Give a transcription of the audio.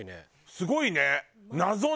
すごいね。